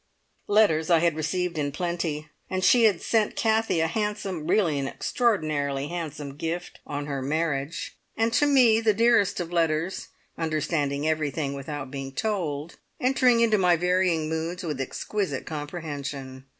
Letters I had received in plenty, and she had sent Kathie a handsome really an extraordinarily handsome gift on her marriage, and to me the dearest of letters, understanding everything without being told, entering into my varying moods with exquisite comprehension.